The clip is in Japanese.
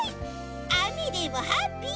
あめでもハッピー！